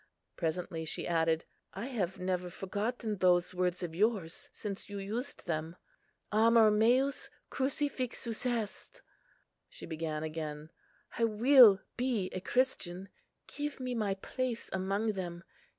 Presently she added, "I have never forgotten those words of yours since you used them; 'Amor meus crucifixus est.' " She began again, "I will be a Christian; give me my place among them.